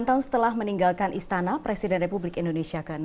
enam tahun setelah meninggalkan istana presiden republik indonesia ke enam